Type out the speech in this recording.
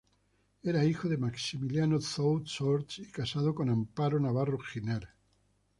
Era hijo de Maximiliano Thous Orts y casado con Amparo Navarro Giner.